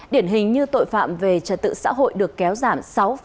điển hình như tội phạm về trật tự xã hội được kéo giảm sáu sáu mươi chín